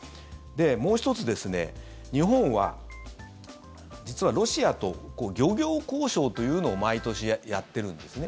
もう１つ、日本は、実はロシアと漁業交渉というのを毎年やってるんですね。